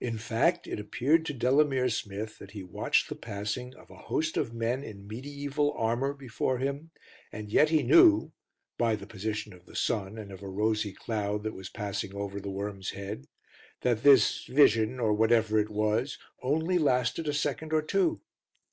In fact, it appeared to Delamere Smith that he watched the passing of a host of men in mediæval armour before him, and yet he knew by the position of the sun and of a rosy cloud that was passing over the Worm's Head that this vision, or whatever it was, only lasted a second or two.